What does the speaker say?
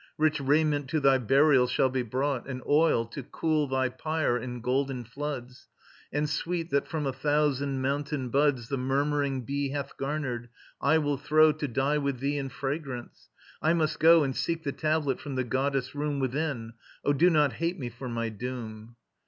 Rich raiment to thy burial shall be brought, And oil to cool thy pyre in golden floods, And sweet that from a thousand mountain buds The murmuring bee hath garnered, I will throw To die with thee in fragrance. ... I must go And seek the tablet from the Goddess' room Within. Oh, do not hate me for my doom!